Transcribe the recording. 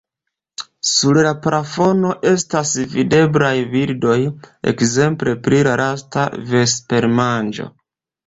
Sur la plafono estas videblaj bildoj ekzemple pri La lasta vespermanĝo.